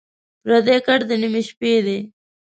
پردی کټ دَ نیمې شپې وي